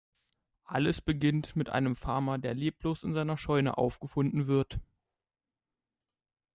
Alles beginnt mit einem Farmer, der leblos in seiner Scheune aufgefunden wird.